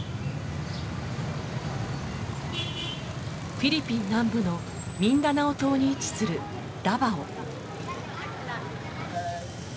フィリピン南部のミンダナオ島に位置するダバオ。